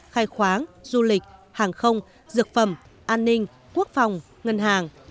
khai khoáng du lịch hàng không dược phẩm an ninh quốc phòng ngân hàng